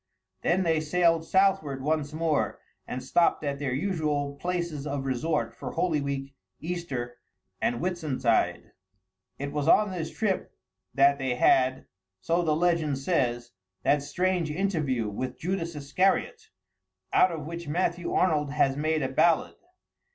Then they sailed southward once more, and stopped at their usual places of resort for Holy Week, Easter, and Whitsuntide. It was on this trip that they had, so the legend says, that strange interview with Judas Iscariot, out of which Matthew Arnold has made a ballad.